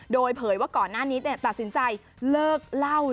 โดยเผยว่าก่อนหน้านี้ตัดสินใจเลิกเล่า